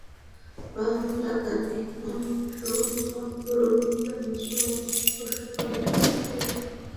বাংলা গানে হিমাংশু দত্ত রবীন্দ্র, নজরুল, অতুলপ্রসাদ–পরবর্তী যুগে একজন প্রতিভাবান সুরকার।